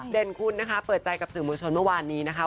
เด่นคุณนะคะเปิดใจกับสื่อมวลชนเมื่อวานนี้นะคะ